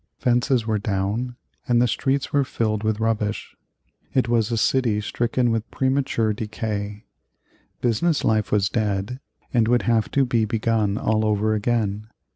Fences were down, and the streets were filled with rubbish. It was a city stricken with premature decay. Business life was dead, and would have to be begun all over again.